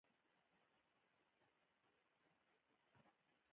غزني د افغانستان د بشري او لرغوني فرهنګ یوه برخه ده.